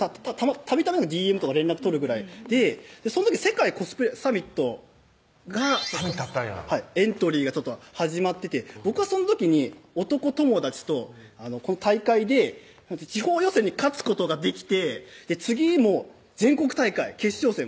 たまにＤＭとかで連絡取るぐらいでその時世界コスプレサミットがサミットあったんやエントリーが始まってて僕はその時に男友達とこの大会で地方予選に勝つことができて次も全国大会決勝戦